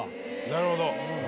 なるほど。